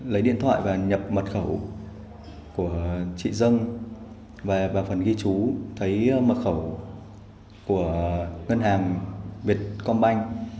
lấy điện thoại và nhập mật khẩu của chị dân và vào phần ghi chú thấy mật khẩu của ngân hàng việtcombank